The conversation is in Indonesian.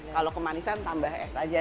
kalau kemanisan tambah es aja